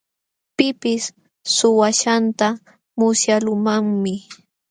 Pipis suwaaśhqanta musyaqluumanmi.